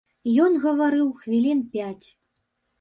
Ён гаварыў хвілін пяць.